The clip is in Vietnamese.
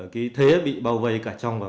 cái thế bị bao vây cả trung quốc